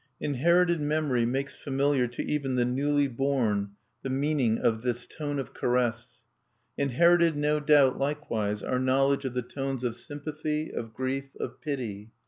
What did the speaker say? Inherited memory makes familiar to even the newly born the meaning of the tone of caress. Inherited, no doubt, likewise, our knowledge of the tones of sympathy, of grief, of pity.